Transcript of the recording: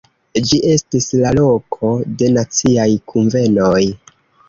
Ĝi estis la loko de naciaj kunvenoj.